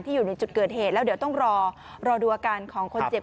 อยู่ในจุดเกิดเหตุแล้วเดี๋ยวต้องรอรอดูอาการของคนเจ็บ